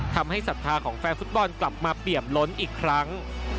ศรัทธาของแฟนฟุตบอลกลับมาเปียบล้นอีกครั้ง